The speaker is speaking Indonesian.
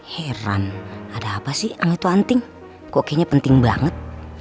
heran ada apa sih anget itu anting kok kayaknya penting banget